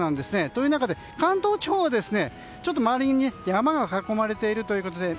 という中で関東地方は周りを山に囲まれているということです